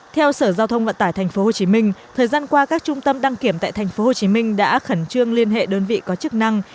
theo sở giao thông vận tải tp hcm thời gian qua các trung tâm đăng kiểm tại tp hcm đã khẩn trương liên hệ đơn vị có chức năng